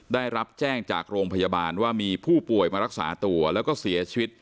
ได้รับแจ้งจากโรงพยาบาลว่ามีผู้ป่วยมารักษาตัวแล้วก็เสียชีวิต